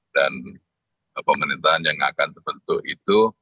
dan pemerintahan yang akan terbentuk itu